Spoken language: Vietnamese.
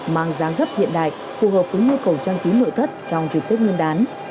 mang giá gấp hiện đại phù hợp với nhu cầu trang trí nội thất trong dịp tết nguyên đán